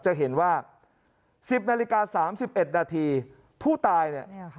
จะเห็นว่า๑๐นาฬิกา๓๑นาทีผู้ตายเนี่ย